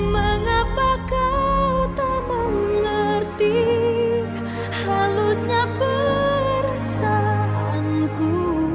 mengapa kau tak mengerti halusnya perasaanku